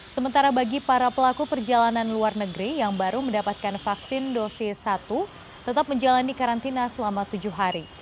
sementara bagi para pelaku perjalanan luar negeri yang baru mendapatkan vaksin dosis satu tetap menjalani karantina selama tujuh hari